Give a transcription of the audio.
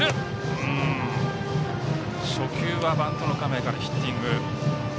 初球はバントの構えからヒッティング。